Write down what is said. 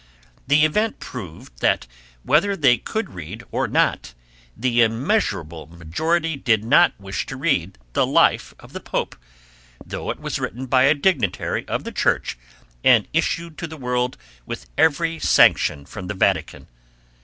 The event proved that whether they could read or not the immeasurable majority did not wish to read the life of the Pope, though it was written by a dignitary of the Church and issued to the world with every sanction from the Vatican.